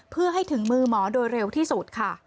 เพื่อให้ถึงมือหมอโดยเร็วที่สุดค่ะ